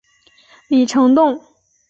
李成栋。